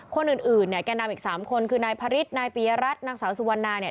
คนอื่นเนี่ยแก่นำอีก๓คนคือนายพระฤทธินายปียรัฐนางสาวสุวรรณาเนี่ย